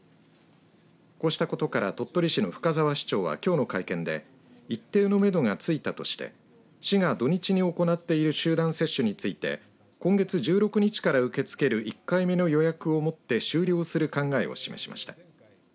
こうしたことから鳥取市の深澤市長は、きょうの会見で一定のめどがついたとして市が土日に行っている集団接種について今月１６日から受け付ける１回目の予約をもって終了する考えを示しました。